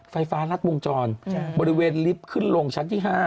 ไฟฟ้ารัดวงจรบริเวณลิฟต์ขึ้นลงชั้นที่๕